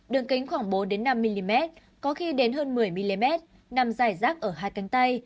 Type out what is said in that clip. đường kính khoảng bốn năm mm có khi đến hơn một mươi mm nằm dài rác ở hai cánh tay